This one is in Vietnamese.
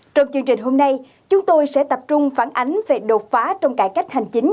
trong chương trình hôm nay chúng tôi sẽ tập trung phản ánh về đột phá trong cải cách hành chính